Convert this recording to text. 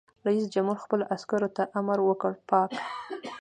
رئیس جمهور خپلو عسکرو ته امر وکړ؛ پاک!